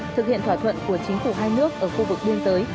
thực hiện thỏa thuận của chính phủ hai nước ở khu vực biên giới